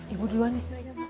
ibu duluan nih